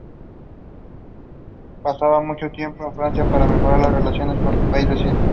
Pasaba mucho tiempo en Francia para mejorar las relaciones con el país vecino.